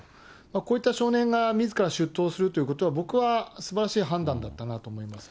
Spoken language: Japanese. こういった少年がみずから出頭するということは、僕はすばらしい判断だったなと思いますね。